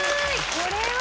これは！